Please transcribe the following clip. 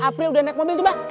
apri udah naik mobil tuh bang